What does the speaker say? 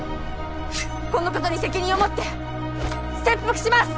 このことに責任を持って切腹します